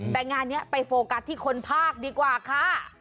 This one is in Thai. แต่งานนี้ไปโฟกัสที่คนภาคดีกว่าค่ะ